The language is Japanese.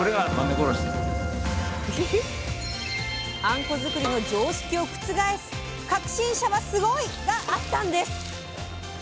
あんこづくりの常識を覆す「革新者はスゴイ！」があったんです。